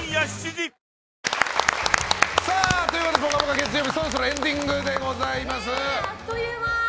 月曜日そろそろエンディングでございます。